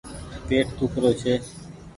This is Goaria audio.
پيٽ ۮيک رو ڇي ۔